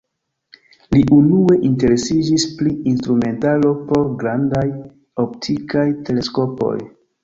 Li unue interesiĝis pri instrumentaro por grandaj optikaj teleskopoj.